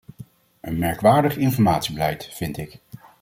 Een merkwaardig informatiebeleid, vind ik.